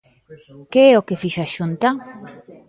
¿Que é o que fixo a Xunta?